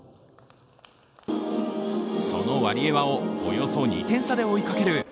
そのワリエワをおよそ２点差で追いかける